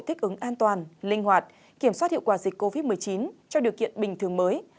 thích ứng an toàn linh hoạt kiểm soát hiệu quả dịch covid một mươi chín cho điều kiện bình thường mới